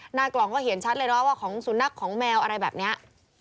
หน้ากล่องก็เห็นชัดเลยเนาะว่าของสุนัขของแมวอะไรแบบนี้